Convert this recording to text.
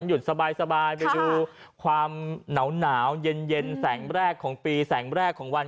หยุดสบายไปดูความหนาวเย็นแสงแรกของปีแสงแรกของวัน